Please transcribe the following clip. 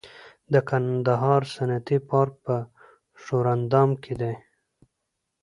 د کندهار صنعتي پارک په ښوراندام کې دی